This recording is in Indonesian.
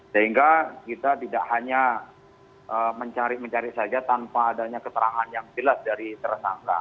sehingga kita tidak hanya mencari mencari saja tanpa adanya keterangan yang jelas dari tersangka